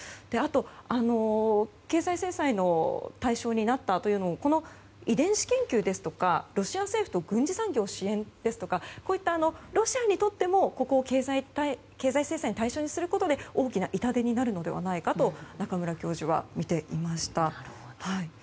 あと、経済制裁の対象になったというのも遺伝子研究ですとかロシア政府と軍事産業を支援ですとかこういったロシアにとってもここを経済制裁の対象にすることで大きな痛手になるのではないかと中村教授はみていました。